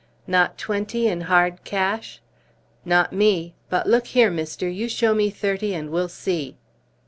"Not twenty in hard cash?" "Not me; but look here, mister, you show me thirty and we'll see."